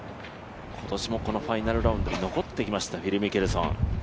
今年もファイナルラウンドに残ってきましたフィル・ミケルソン。